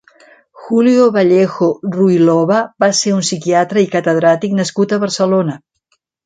Julio Vallejo Ruiloba va ser un psiquiatra i catedràtic nascut a Barcelona.